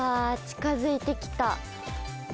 近付いてきた。